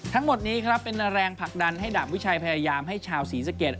ทั้งหมดนี้ครับเป็นแรงผลักดันให้ดาบวิชัยพยายามให้ชาวศรีสะเกด